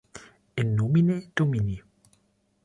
In Nomine Domini.